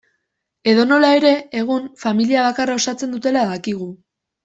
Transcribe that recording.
Edonola ere, egun familia bakarra osatzen dutela dakigu.